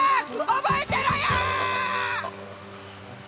覚えてろよ！